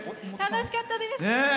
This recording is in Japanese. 楽しかったです。